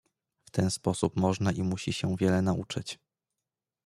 "W ten sposób można i musi się wiele nauczyć."